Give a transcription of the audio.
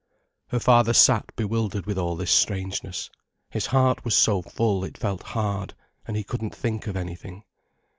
Her father sat bewildered with all this strangeness, his heart was so full it felt hard, and he couldn't think of anything.